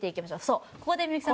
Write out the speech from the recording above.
そうここで幸さん